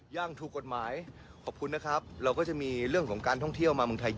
อย่างถูกกฎหมายขอบคุณนะครับเราก็จะมีเรื่องของการท่องเที่ยวมาเมืองไทย